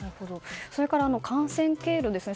それから感染経路ですね